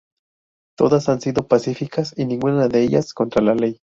Todas han sido pacíficas y ninguna de ellas contra la ley.